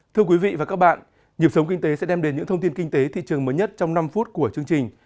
thưa quý vị và các bạn nhịp sống kinh tế sẽ đem đến những thông tin kinh tế thị trường mới nhất trong năm phút của chương trình